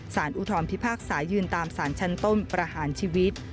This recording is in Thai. อุทธรพิพากษายืนตามสารชั้นต้นประหารชีวิต